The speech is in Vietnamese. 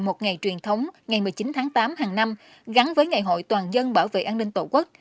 một ngày truyền thống ngày một mươi chín tháng tám hàng năm gắn với ngày hội toàn dân bảo vệ an ninh tổ quốc